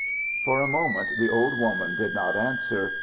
For a moment the old woman did not answer.